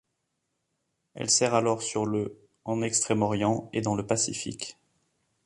Il sert alors sur le en Extrême-Orient et dans le Pacifique.